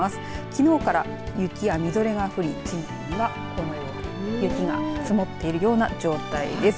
きのうから雪やみぞれが降りこのような雪が積もっているような状態です。